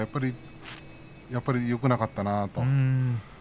やはりよくなかったなと。